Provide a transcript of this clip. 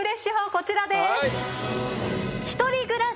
こちらです。